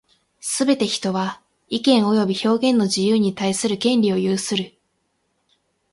すべて人は、意見及び表現の自由に対する権利を有する。